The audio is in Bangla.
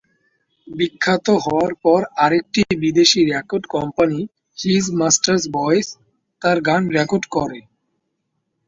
বিখ্যাত হওয়ার পর আরেকটি বিদেশি record company ‘his master's voice’ তার গান রেকর্ড করে।